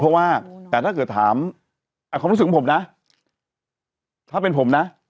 เพราะว่าแต่ถ้าเกิดถามความรู้สึกของผมนะถ้าเป็นผมนะ